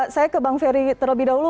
saya ke bang ferry terlebih dahulu